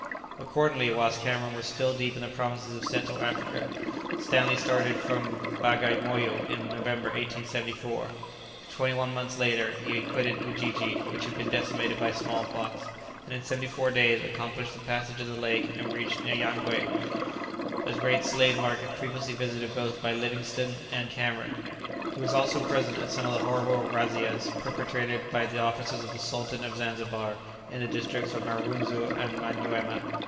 Accordingly, whilst Cameron was still deep in the provinces of Central Africa, Stanley started from Bagamoyo in November, 1874. Twenty one months later he quitted Ujiji, which had been decimated by small pox, and in seventy four days accomplished the passage of the lake and reached Nyangwe, a great slave market previously visited both by Livingstone and Cameron. He was also present at some of the horrible razzias, perpetrated by the officers of the Sultan of Zanzibar in the districts of the Marunzu and Manyuema.